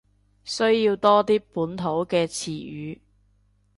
需要多啲本土嘅詞語